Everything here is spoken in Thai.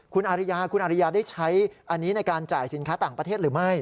คุณอาริยาคุณอาริยาได้ใช้อันนี้ในการจ่ายสินค้าต่างประเทศหรือไม่